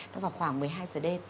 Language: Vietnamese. nó vào khoảng một mươi hai h đêm